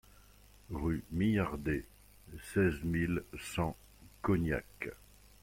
Rue Millardet, seize mille cent Cognac